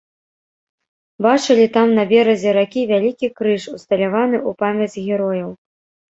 Бачылі там на беразе ракі вялікі крыж, усталяваны ў памяць герояў.